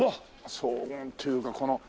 荘厳というかこの。